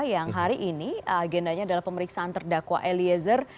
yang hari ini agendanya adalah pemeriksaan terdakwa eliezer